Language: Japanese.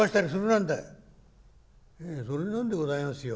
「ええそれなんでございますよ。